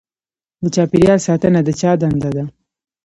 د چاپیریال ساتنه د چا دنده ده؟